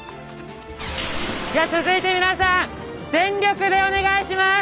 じゃあ続いて皆さん全力でお願いします！